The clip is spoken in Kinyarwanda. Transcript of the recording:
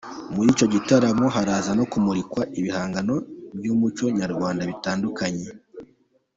Muri icyo gitaramo haraza no kumurikwa ibihangano by’umuco nyarwanda bitandukanye.